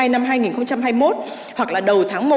năm hai nghìn hai mươi một hoặc là đầu tháng một